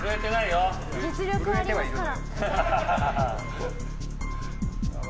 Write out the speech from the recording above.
実力はありますから。